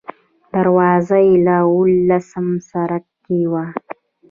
دروازه یې اوولسم سړک کې وه.